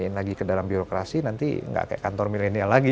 begitu kita lagi ke dalam birokrasi nanti gak kayak kantor milenial lagi ya